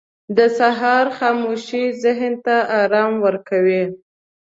• د سهار خاموشي ذهن ته آرام ورکوي.